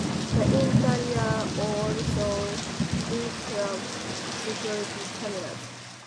The interior also includes security cameras.